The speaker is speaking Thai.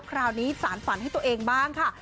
คราวนี้สารฝันให้ตัวเองบ้างค่ะ